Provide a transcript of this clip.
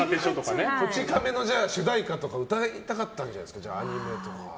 「こち亀」の主題歌とか歌いたかったんじゃないですか？